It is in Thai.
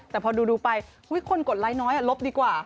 แต่พอดูไปคนกดไลค์น้อยลบดีกว่า